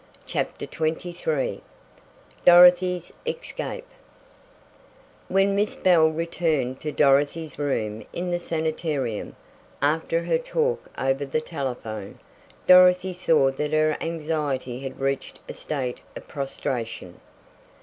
CHAPTER XXIII DOROTHY'S ESCAPE When Miss Bell returned to Dorothy's room in the sanitarium, after her talk over the telephone, Dorothy saw that her anxiety had reached a state of prostration.